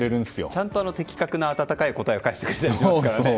ちゃんと的確な温かい答えを返してくれますからね。